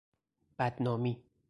بدنامی